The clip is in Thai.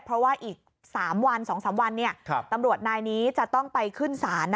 เพราะว่าอีก๓วัน๒๓วันตำรวจนายนี้จะต้องไปขึ้นศาล